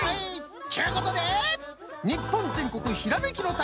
っちゅうことで日本全国ひらめきの旅